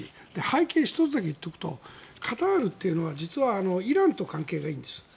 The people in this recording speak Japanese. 背景、１つだけ言っておくとカタールというのは実はイランと関係がいいんです。